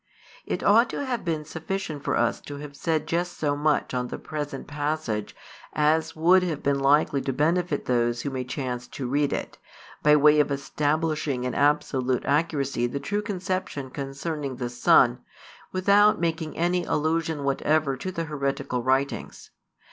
It ought to have been sufficient for us to have said just so much on the present passage as would have been likely to benefit those who may chance to read it, by way of establishing in absolute accuracy the true conception concerning the Son, without making any allusion whatever to the heretical writings.